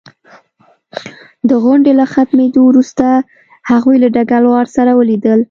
د غونډې له ختمېدو وروسته هغوی له ډګروال سره ولیدل